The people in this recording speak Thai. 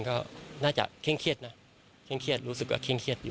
ก็น่าจะเข้งเครียดนะรู้สึกว่าเข้งเครียดอยู่